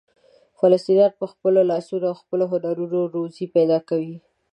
فلسطینیان په خپلو لاسونو او خپلو هنرونو روزي پیدا کوي.